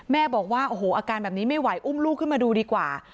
บอกว่าโอ้โหอาการแบบนี้ไม่ไหวอุ้มลูกขึ้นมาดูดีกว่า